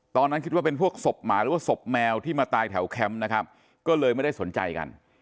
ตอนนั้นคิดว่าเป็นพวกศพหมาหรือว่าศพแมวที่มาตายแถวแคมป์นะครับก็เลยไม่ได้สนใจกัน